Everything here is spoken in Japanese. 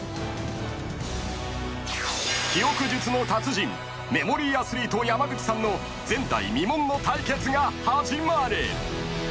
［記憶術の達人メモリーアスリート山口さんの前代未聞の対決が始まる！］